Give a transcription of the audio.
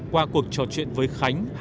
qua cuộc trò chuyện với khánh